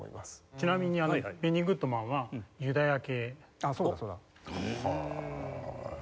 ちなみにベニー・グッドマンはユダヤ系。あっそうだそうだ。へえ。